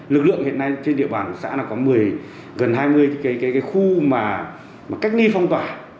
lực lượng hiện nay trên địa bàn của xã có một mươi gần hai mươi cái khu mà cách ly phong tỏa